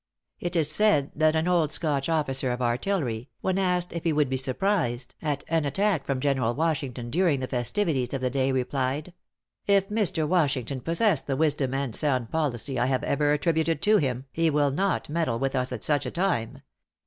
It is said that an old Scotch officer of artillery, when asked if he would be surprised at an attack from General Washington during the festivities of the day, replied "If Mr. Washington possess the wisdom and sound policy I have ever attributed to him, he will not meddle with us at such a time.